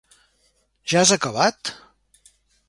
Ja has acabat?